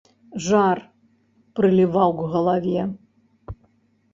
Жар прыліваў к галаве.